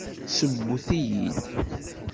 Sewwet-iyi-d.